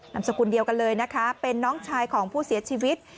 มสกุลเดียวกันเลยนะคะเป็นน้องชายของผู้เสียชีวิต